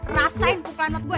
rasain kuklan buat gue